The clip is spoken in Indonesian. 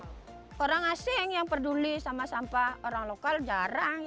yang peduli sama sampah orang lokal jarang yang peduli sama sampah